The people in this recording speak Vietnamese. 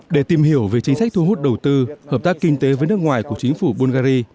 để tìm hiểu về chính sách thu hút đầu tư hợp tác kinh tế với nước ngoài của chính phủ bungary